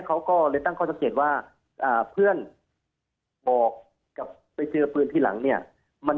เขาก็เลยตั้งข้อสังเกตว่าเพื่อนบอกกับไปเจอปืนที่หลังเนี่ย